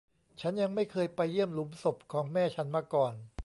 ฉันยังไม่เคยไปเยี่ยมหลุมศพของแม่ฉันมาก่อน